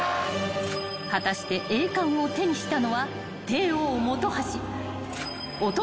［果たして栄冠を手にしたのは］